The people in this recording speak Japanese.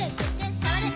さわる！」